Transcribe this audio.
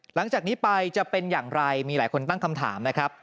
หลังจากนี้ไปจะเป็นอย่างไรมีหลายคนตั้งคำถามนะครับ